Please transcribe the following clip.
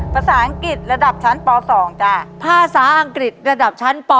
ภาษาอังกฤษระดับชั้นป๒จ้ะภาษาอังกฤษระดับชั้นป๔